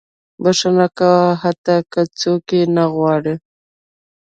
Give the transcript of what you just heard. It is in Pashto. • بښنه کوه، حتی که څوک یې نه غواړي.